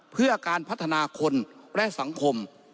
เพื่อการพัฒนาคนและสังคม